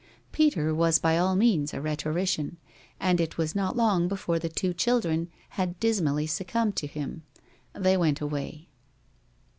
Peter was by all means a rhetorician, and it was not long before the two children had dismally succumbed to him. They went away.